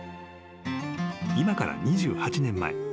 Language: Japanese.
［今から２８年前］